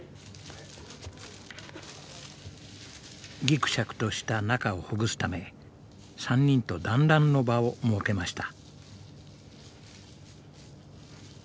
ぎくしゃくとした仲をほぐすため３人と団らんの場を設けました。